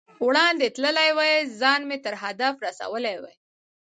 وړاندې تللی وای، ځان مې تر هدف رسولی وای.